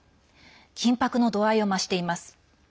緊迫の度合いを増しています。